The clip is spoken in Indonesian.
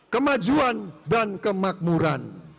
kemajuan dan kemakmuran